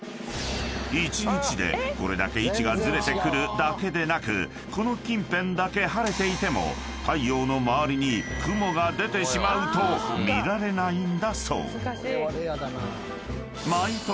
［１日でこれだけ位置がずれてくるだけでなくこの近辺だけ晴れていても太陽の周りに雲が出てしまうと見られないんだそう］